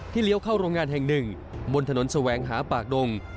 เลี้ยวเข้าโรงงานแห่งหนึ่งบนถนนแสวงหาปากดง